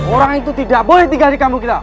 orang itu tidak boleh tinggal di kampung kita